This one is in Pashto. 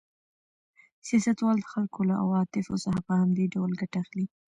سیاستوال د خلکو له عواطفو څخه په همدې ډول ګټه اخلي.